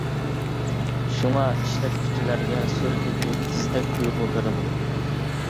شۇڭا ئىشلەتكۈچىلەرگە سۈرئىتى تىزدەك تۇيغۇ بېرىدۇ.